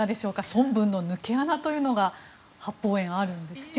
孫文の抜け穴というのが八芳園にあるんですね。